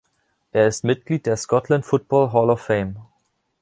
Er ist Mitglied der "Scotland Football Hall Of Fame".